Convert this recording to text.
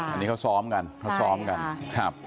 อันนี้เขาซ้อมกัน